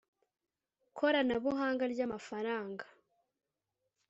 Korana buhanga ry amafaranga